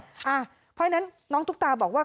เพราะฉะนั้นน้องตุ๊กตาบอกว่า